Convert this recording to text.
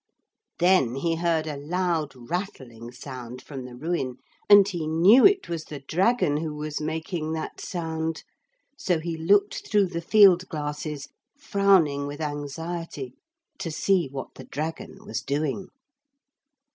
Then he heard a loud rattling sound from the ruin, and he knew it was the dragon who was making that sound, so he looked through the field glasses, frowning with anxiety to see what the dragon was doing.